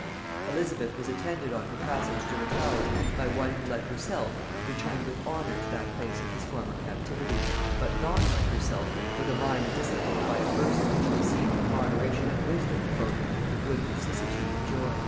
Elizabeth was attended on her passage to the Tower by one who like herself returned with honor to that place of his former captivity; but not, like herself, with a mind disciplined by adversity to receive with moderation and wisdom "the good vicissitude of joy."